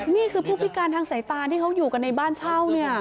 นี่คือผู้พิการทางสายตาที่เขาอยู่กันในบ้านเช่าเนี่ย